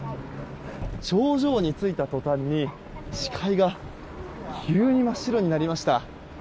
頂上に着いた途端に視界が急に真っ白になりました。